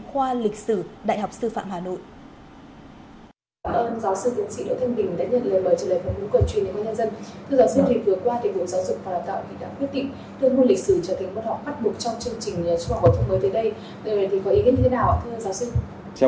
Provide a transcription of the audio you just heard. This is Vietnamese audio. thưa giáo sư có ý kiến thế nào